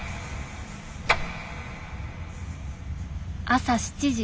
朝７時。